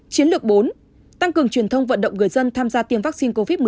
chiến lược bốn tăng cường truyền thông vận động người dân tham gia tiêm vaccine covid một mươi chín